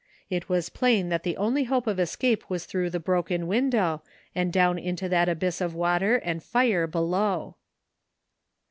It was plain that the only hope of escape was through the broken window and down into that abyss of water and fire below.